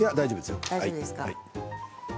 大丈夫ですよ。